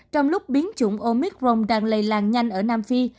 trong lúc biến chủng omicron đang lây lan nhanh ở nam phi